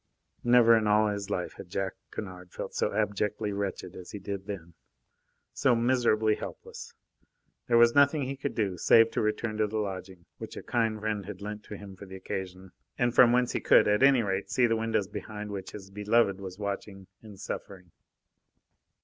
Never in all his life had Jack Kennard felt so abjectly wretched as he did then, so miserably helpless. There was nothing that he could do, save to return to the lodging, which a kind friend had lent him for the occasion, and from whence he could, at any rate, see the windows behind which his beloved was watching and suffering.